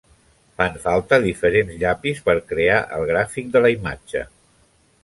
Fan falta diferents llapis per crear el gràfic de la imatge.